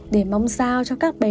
để mong sao cho các bé